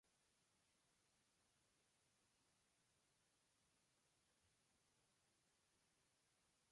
Pero yo puedo ser grosera con ellos, pobres queridos, y nadie me puede parar.